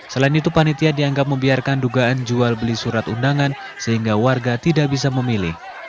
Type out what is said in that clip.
selain itu panitia dianggap membiarkan dugaan jual beli surat undangan sehingga warga tidak bisa memilih